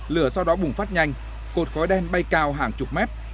lửa sau đó bùng phát nhanh cột khói đen bay cao hàng chục mét